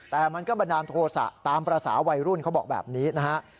แต่มันก็บันดาลโทษะตามภาษาวัยรุ่นเขาบอกแบบนี้นะฮะ